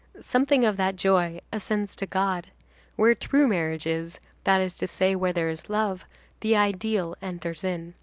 Something of that joy ascends to God. Where true marriage is, that is to say, where there is love, the ideal enters in.